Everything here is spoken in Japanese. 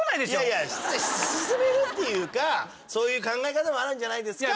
いや勧めるっていうかそういう考え方もあるんじゃないですか？